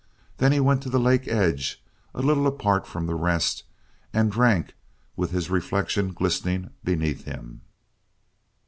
Then he went to the lake edge a little apart from the rest and drank with his reflection glistening beneath him.